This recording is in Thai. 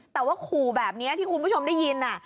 แต่ว่าขู่แบบนี้ที่คุณผู้ชมได้ยิน